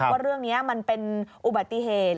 ว่าเรื่องนี้มันเป็นอุบัติเหตุ